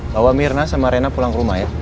bawa mirna sama rena pulang ke rumah ya